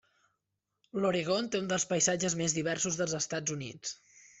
L'Oregon té un dels paisatges més diversos dels Estats Units.